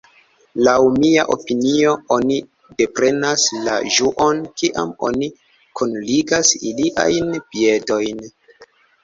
Laŭ mia opinio, oni deprenas la ĝuon kiam oni kunligas iliajn piedojn.